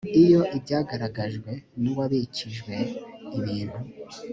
iyo ibyagaragajwe n uwabikijwe ibintu